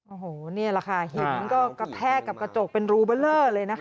โอ้โหนี่ล่ะค่ะเหมือนกระแพกกับกระจกเป็นรูเบอร์เลอร์เลย